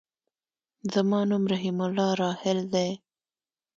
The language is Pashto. زما نوم رحيم الله راحل دی.